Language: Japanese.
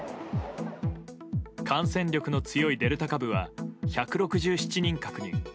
感染力の強いデルタ株は１６７人確認。